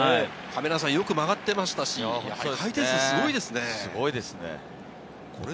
よく曲がってましたし、回転数すごいですね。